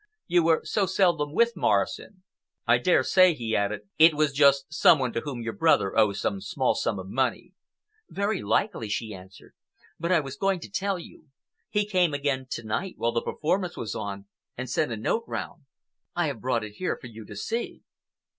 You were so seldom with Morrison. I dare say," he added, "it was just some one to whom your brother owes some small sum of money." "Very likely," she answered. "But I was going to tell you. He came again to night while the performance was on, and sent a note round. I have brought it for you to see."